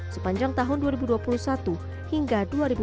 sepanjang tahun dua ribu dua puluh satu hingga dua ribu dua puluh